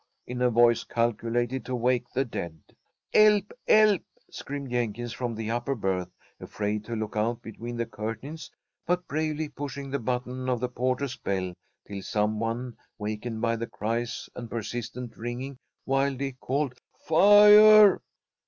in a voice calculated to wake the dead. "'Elp! 'elp!" screamed Jenkins from the upper berth, afraid to look out between the curtains, but bravely pushing the button of the porter's bell till some one, wakened by the cries and persistent ringing, wildly called "Fire!"